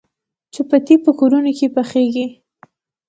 چپاتي په کورونو کې پخیږي.